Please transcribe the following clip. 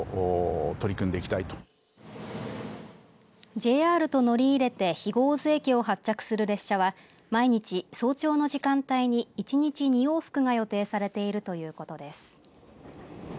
ＪＲと乗り入れて肥後大津駅を発着する列車は毎日早朝の時間帯に一日２往復が予定されているということです。